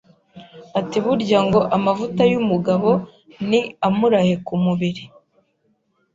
ati burya ngo amavuta y’umugabo ni amuraye ku mubiri